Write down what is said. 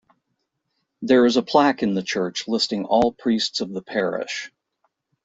There is a plaque in the church listing all priests of the parish.